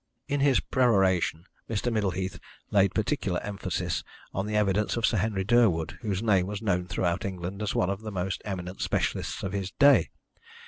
In his peroration Mr. Middleheath laid particular emphasis on the evidence of Sir Henry Durwood, whose name was known throughout England as one of the most eminent specialists of his day.